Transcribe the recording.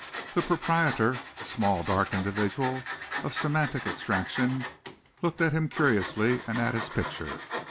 The proprietor, a small, dark individual of Semitic extraction, looked at him curiously and at his picture.